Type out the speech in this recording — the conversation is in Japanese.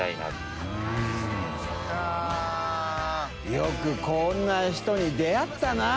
茲こんな人に出会ったな。